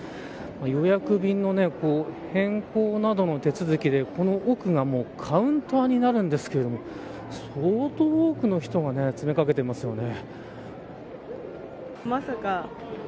予約便の変更などの手続きでこの奥がカウンターになるんですが相当多くの人が詰め掛けていますよね。